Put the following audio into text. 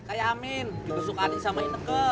kayamin dibesuk ani sama ineke